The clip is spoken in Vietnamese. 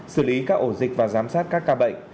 xử lý các ổ dịch và giám sát các ca bệnh